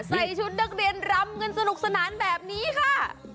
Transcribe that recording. ใส่ชุดนักเรียนรำกันสนุกสนานแบบนี้ค่ะ